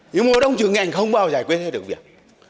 nhưng mà đồng trưởng ngành không bao giờ giải quyết hết được việc